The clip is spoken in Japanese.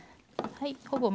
はい。